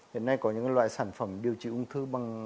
hiện nay có những loại sản phẩm điều trị ung thư bằng